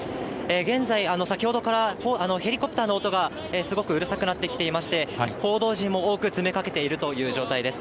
現在、先ほどからヘリコプターの音がすごくうるさくなってきていまして、報道陣も多く詰めかけているという状態です。